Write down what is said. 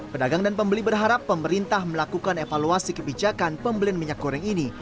pedagang dan pembeli berharap pemerintah melakukan evaluasi kebijakan pembelian minyak goreng ini